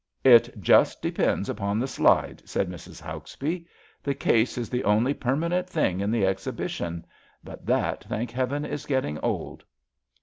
It just depends upon the slide, '^ said Mrs. Hauksbee. The case is the only permanent thing in the exhibition. But that, thank Heaven, is getting old.'